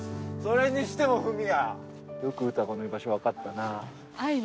それにしても史也よく詩子の居場所分かったなぁ。